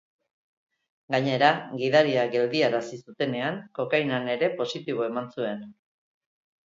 Gainera, gidaria geldiarazi zutenean kokainan ere positiboa eman zuen.